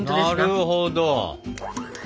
なるほど。